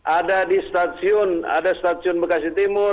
ada di stasiun ada stasiun bekasi timur